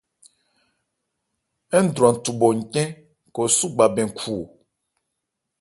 Ńdwran thúɓɔ̀ ncɛ́n, khɔ súgba bɛn khu o.